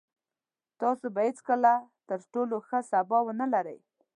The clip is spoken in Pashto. تاسو به هېڅکله تر ټولو ښه سبا ونلرئ.